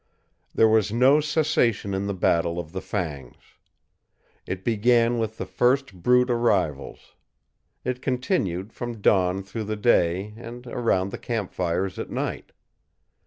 There was no cessation in the battle of the fangs. It began with the first brute arrivals. It continued from dawn through the day, and around the campfires at night.